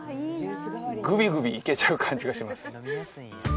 グビグビいけちゃう感じがします